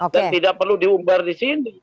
tidak perlu diumbar di sini